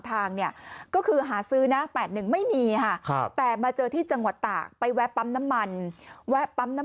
ตุนตุนตุนตุนตุนตุนตุนตุนตุนตุน